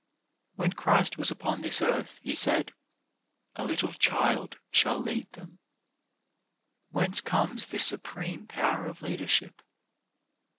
When Christ was upon this earth He said: "A 251 252 CHARACTER BUILDING little child shall lead them." Whence comes this supreme power of leadership